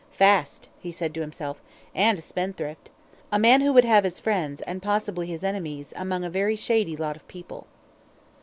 "Fast," he said to himself, "and a spendthrift. A man who would have his friends, and possibly his enemies, among a very shady lot of people."